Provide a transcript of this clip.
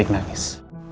aku akan menangis